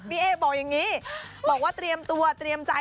เอ๊บอกอย่างนี้บอกว่าเตรียมตัวเตรียมใจ